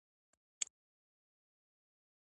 زه ورسره ډيره مينه کوم